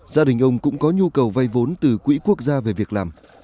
gia đình ông cũng có nhu cầu vay vốn từ quỹ quốc gia về việc làm